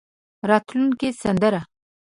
راتلونکې سندره.